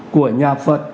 của nhà phật